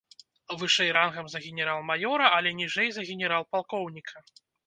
Вышэй рангам за генерал-маёра, але ніжэй за генерал-палкоўніка.